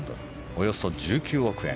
およそ１９億円。